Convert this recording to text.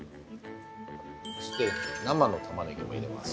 そして生の玉ねぎも入れます。